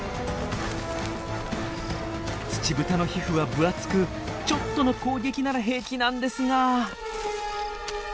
ツチブタの皮膚は分厚くちょっとの攻撃なら平気なんですが。